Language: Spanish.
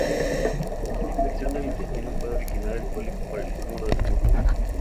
La infección del intestino puede originar el cólico por el estímulo de los músculos.